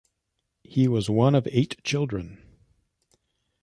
He was one of eight children.